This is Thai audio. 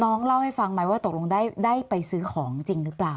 เล่าให้ฟังไหมว่าตกลงได้ไปซื้อของจริงหรือเปล่า